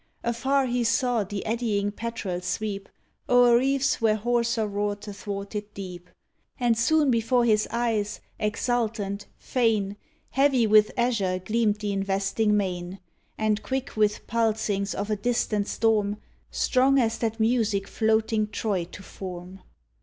Afar he saw the eddying petrel sweep O'er reefs where hoarser roared the thwarted deep, And soon before his eyes, exultant, fain, Heavy with azure gleamed the investing main. And quick with pulsings of a distant storm. Strong as that music floating Troy to form.